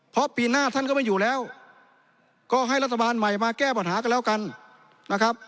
เพราะปีหน้าท่านก็ไม่อยู่แล้วก็ให้รัฐบาลใหม่มาแก้ปัญหากันแล้วกันนะครับ